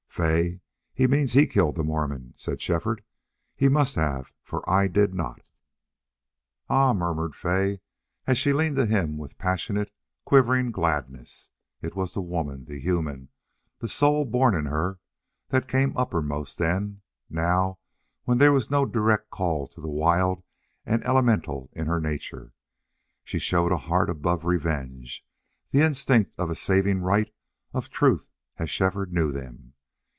"Fay, he means he killed the Mormon," said Shefford. "He must have, for I did not!" "Ah!" murmured Fay, and she leaned to him with passionate, quivering gladness. It was the woman the human the soul born in her that came uppermost then; now, when there was no direct call to the wild and elemental in her nature, she showed a heart above revenge, the instinct of a saving right, of truth as Shefford knew them.